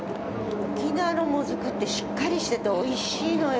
沖縄のモズクってしっかりしてておいしいのよ。